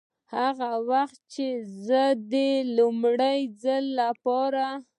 هغه وخت چې زه دې د لومړي ځل دپاره